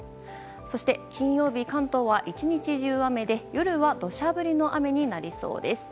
そして金曜日、関東は１日中雨で夜は土砂降りの雨になりそうです。